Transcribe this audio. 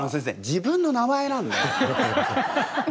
自分の名前なんで。